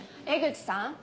江口さん。